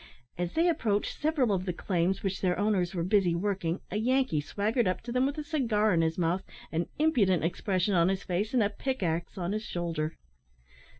As they approached several of the claims which their owners were busy working, a Yankee swaggered up to them with a cigar in his mouth, an impudent expression on his face, and a pick axe on his shoulder.